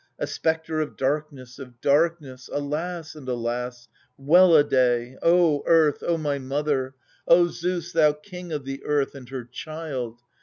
A spectre of darkness, of darkness. Alas and alas ! well a day ! O Earth, O my mother ! O Zeus, thou king of the earth, and her child